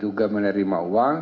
diduga menerima uang